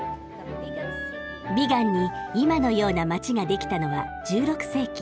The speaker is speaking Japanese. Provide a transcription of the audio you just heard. ビガンに今のような街ができたのは１６世紀。